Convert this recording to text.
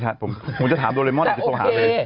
ใช่ผมจะถามโดเรมอนก็ต้องหาให้